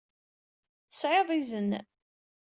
Tesɛiḍ izen.